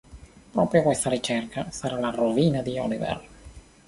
Proprio questa ricerca sarà la rovina di Oliver.